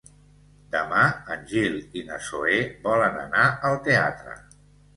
Demà en Gil i na Zoè volen anar al teatre.